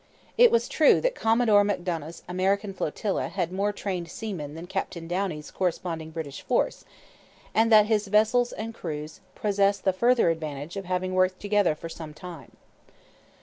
It was true that Commodore Macdonough's American flotilla had more trained seamen than Captain Downie's corresponding British force, and that his crews and vessels possessed the further advantage of having worked together for some time.